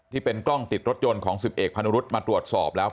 ที่เป็นกล้องติดรถยนต์ของ๑๑พนุรุษมาตรวจสอบแล้ว